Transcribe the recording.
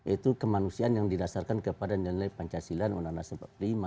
itu kemanusiaan yang didasarkan kepada nkri